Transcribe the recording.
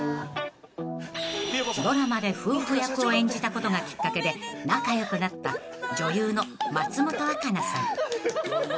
［ドラマで夫婦役を演じたことがきっかけで仲良くなった女優の松本若菜さん］